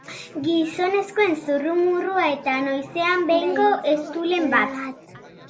Gizonezkoen zurrumurrua eta noizean behingo eztulen bat.